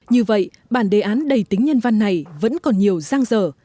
như vậy bản đề án đầy tính nhân văn này vẫn còn nhiều giang dở